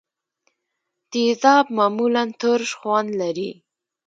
تیزاب معمولا ترش خوند لري.